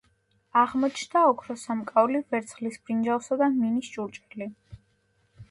აღმოჩნდა ოქროს სამკაული, ვერცხლის ბრინჯაოსა და მინის ჭურჭელი.